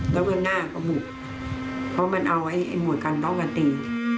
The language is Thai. แล้วก็หน้าก็หมุกเพราะมันเอาไอ้หมวกกันน็อกตี